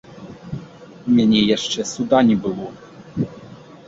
У мяне яшчэ суда не было.